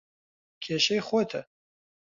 کێشەی خۆتە.